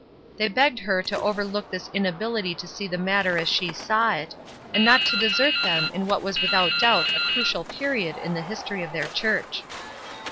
They begged her to overlook this inability to see the matter as she saw it, and not to desert them in what was without doubt a crucial period in the history of their church.